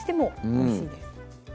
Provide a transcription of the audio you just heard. おいしいです